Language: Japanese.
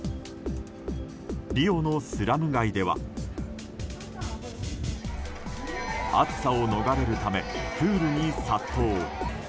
リオのスラム街では暑さを逃れるためプールに殺到。